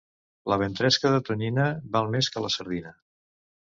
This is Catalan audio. La ventresca de tonyina val més que la sardina.